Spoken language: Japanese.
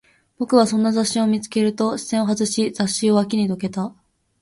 僕はそんな雑誌を見つけると、視線を外し、雑誌を脇にどけた